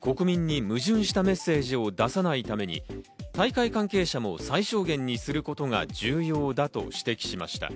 国民に矛盾したメッセージを出さないために大会関係者も最小限にすることが重要だと指摘しました。